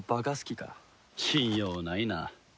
信用ないな。